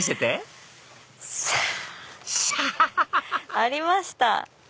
ありました！